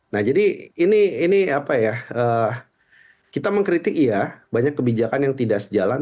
nah jadi ini apa ya kita mengkritik iya banyak kebijakan yang tidak sejalan